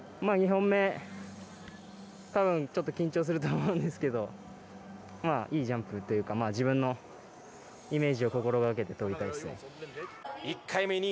２本目多分ちょっと緊張すると思うんですけどいいジャンプというか自分のイメージを心がけて飛びたいですね。